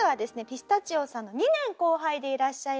ピスタチオさんの２年後輩でいらっしゃいます